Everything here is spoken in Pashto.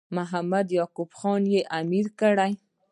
محمد یعقوب خان یې امیر کړ.